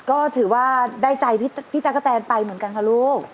ก็ถือว่าได้ใจพี่ตั๊กกะแตนไปเหมือนกันค่ะลูก